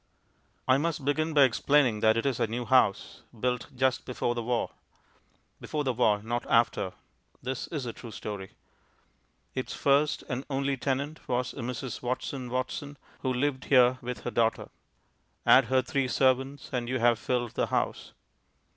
I must begin by explaining that it is a new house, built just before the war. (Before the war, not after; this is a true story.) Its first and only tenant was a Mrs. Watson Watson, who lived here with her daughter. Add her three servants, and you have filled the house.